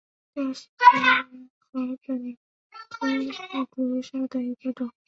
吊丝竹为禾本科牡竹属下的一个种。